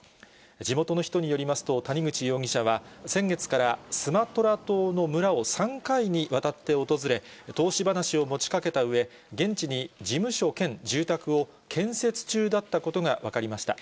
地元の人によりますと、谷口容疑者は先月から、スマトラ島の村を３回にわたって訪れ、投資話を持ちかけたうえ、現地に事務所兼住宅を建設中だったことが分かりました。